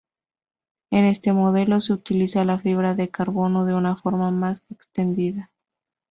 En este modelo, se utiliza la fibra de carbono de una forma más extendida.